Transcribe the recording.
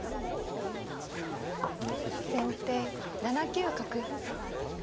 先手７九角。